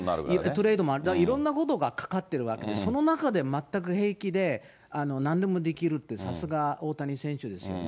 だからいろんなことがかかってるわけで、その中で全く平気で、なんでもできるって、さすが大谷選手ですよね。